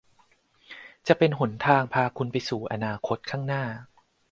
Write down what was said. จะเป็นหนทางพาคุณไปสู่อนาคตข้างหน้า